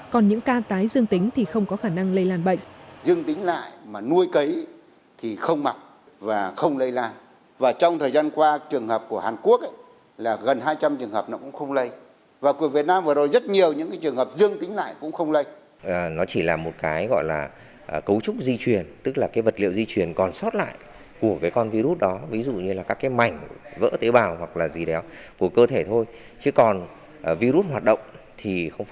còn những ca tái dương tính thì không có khả năng lây lan bệnh